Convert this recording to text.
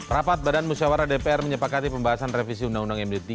rapat badan musyawarah dpr menyepakati pembahasan revisi undang undang md tiga